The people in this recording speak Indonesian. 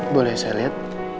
boleh saya lihat